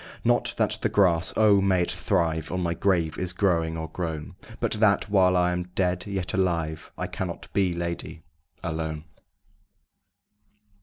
Not that the grass O! may it thrive! On my grave is growing or grown But that, while I am dead yet alive I cannot be, lady, alone.